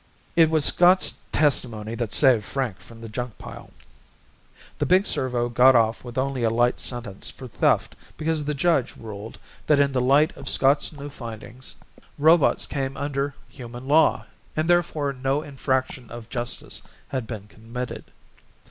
It was Scott's testimony that saved Frank from the junk pile. The big servo got off with only a light sentence for theft because the judge ruled that in the light of Scott's new findings robots came under human law and therefore no infraction of justice had been committed.